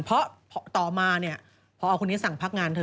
เพราะต่อมาเนี่ยพอคนนี้สั่งพักงานเธอ